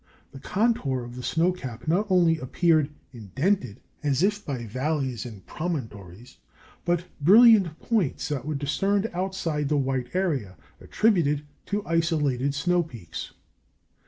The contour of the snow cap not only appeared indented, as if by valleys and promontories, but brilliant points were discerned outside the white area, attributed to isolated snow peaks.